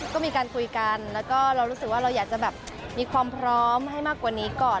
ก็มีการคุยกันแล้วก็เรารู้สึกว่าเราอยากจะแบบมีความพร้อมให้มากกว่านี้ก่อน